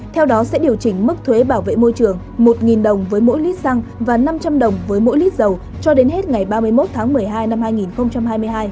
theo đó sẽ điều chỉnh mức thuế bảo vệ môi trường một đồng với mỗi lít xăng và năm trăm linh đồng với mỗi lít dầu cho đến hết ngày ba mươi một tháng một mươi hai năm hai nghìn hai mươi hai